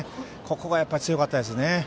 ここが強かったですね。